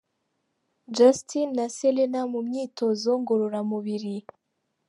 Justin na Selena mu myitozo ngororamubiri.